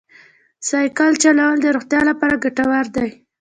سایکل چلول د روغتیا لپاره ګټور دی.